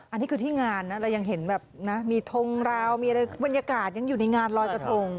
อันนี้คือที่งานนะเรายังเห็นแบบนะมีทงราวมีอะไรบรรยากาศยังอยู่ในงานลอยกระทง